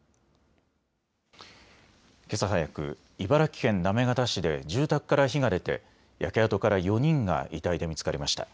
けさ早く、茨城県行方市で住宅から火が出て焼け跡から４人が遺体で見つかりました。